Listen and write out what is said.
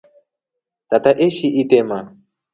Tata eshi itema.